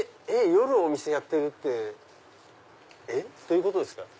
夜お店やってるってどういうことですか？